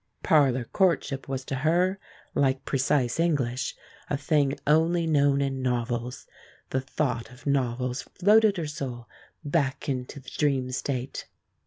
Parlor courtship was to her, like precise English, a thing only known in novels. The thought of novels floated her soul back into the dream state.